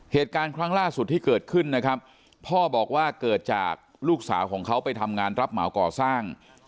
เหตุการณ์ครั้งล่าสุดที่เกิดขึ้นนะครับพ่อบอกว่าเกิดจากลูกสาวของเขาไปทำงานรับเหมาก่อสร้าง